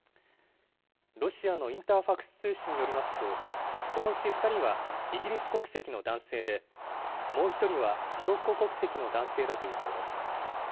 ロシアのインターファクス通信によりますと、このうち２人はイギリス国籍の男性で、もう１人はモロッコ国籍の男性だということです。